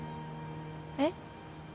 えっ？